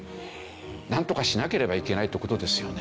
なんとかしなければいけないって事ですよね。